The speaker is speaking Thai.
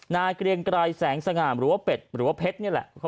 ๔นายเกรียงไกรแสงสงามหรือว่าเป็ดหรือว่าเพชร